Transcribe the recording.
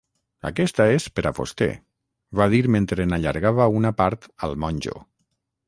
"Aquesta és per a vostè", va dir mentre n'allargava una part al monjo.